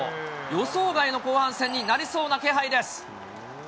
予想外の後半戦になりそうな気配です。